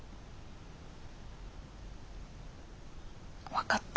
分かった。